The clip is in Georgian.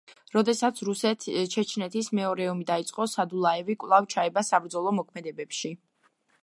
როდესაც რუსეთ–ჩეჩნეთის მეორე ომი დაიწყო, სადულაევი კვლავ ჩაება საბრძოლო მოქმედებებში.